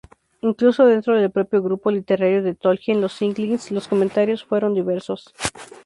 Incluso dentro del propio grupo literario de Tolkien, los Inklings, los comentarios fueron diversos.